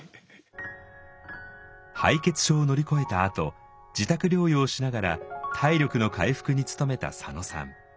敗血症を乗り越えたあと自宅療養をしながら体力の回復に努めた佐野さん。